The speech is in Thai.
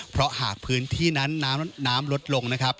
เพราะหากพื้นที่นั้นน้ำลดลงนะครับ